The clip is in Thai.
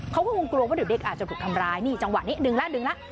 เขาก็คงกลัวว่าเดี๋ยวเด็กอาจจะถูกทำร้ายนี่จังหวะนี้ดึงแล้วดึงแล้ว